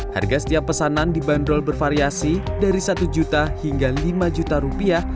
harga setiap pesanan dibanderol bervariasi dari satu juta hingga lima juta rupiah